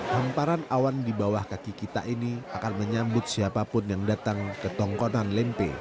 hamparan awan di bawah kaki kita ini akan menyambut siapapun yang datang ke tongkonan lempe